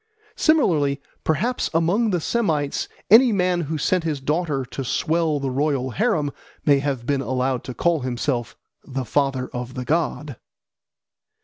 Similarly, perhaps, among the Semites any man who sent his daughter to swell the royal harem may have been allowed to call himself "the father of the god."